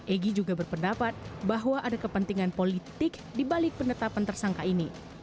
egy juga berpendapat bahwa ada kepentingan politik dibalik penetapan tersangka ini